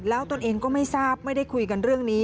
แล้วตนเองก็ไม่ทราบไม่ได้คุยกันเรื่องนี้